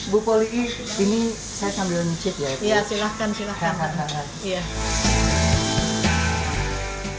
bu poliki ini saya sambil mencet ya